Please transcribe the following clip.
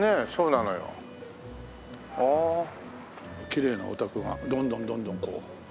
きれいなお宅がどんどんどんどんこう。